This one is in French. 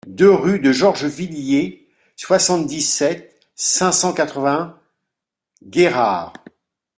deux rue de Georgevilliers, soixante-dix-sept, cinq cent quatre-vingts, Guérard